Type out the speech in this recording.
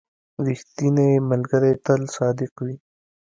• ریښتینی ملګری تل صادق وي.